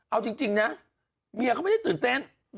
เอาจริงนะเมียเขาไม่ได้ตื่นเต้น